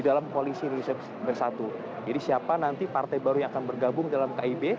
dalam koalisi indonesia bersatu jadi siapa nanti partai baru yang akan bergabung dalam kib